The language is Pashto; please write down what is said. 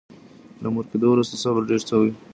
له مور کېدو وروسته صبر ډېر شوی.